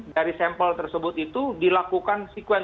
dari sampel tersebut itu dilakukan sequence